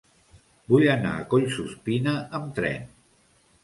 Vull anar a Collsuspina amb tren.